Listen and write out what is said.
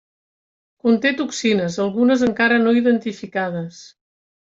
Conté toxines, algunes encara no identificades.